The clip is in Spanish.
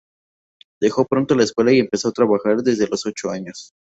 Dejó pronto la escuela y empezó a trabajar desde los ocho años.